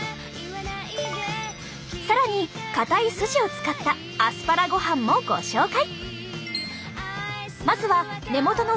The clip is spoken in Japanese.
更にかたいスジを使ったアスパラご飯もご紹介！